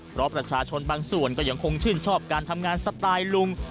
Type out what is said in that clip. เพราะประชาชนบางส่วนก็ยังคงชื่นชอบการทำงานสไตล์ลุง